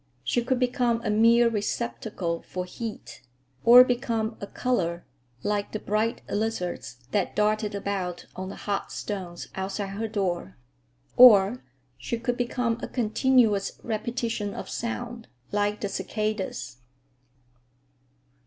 She could become a mere receptacle for heat, or become a color, like the bright lizards that darted about on the hot stones outside her door; or she could become a continuous repetition of sound, like the cicadas.